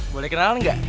boleh kenalan gak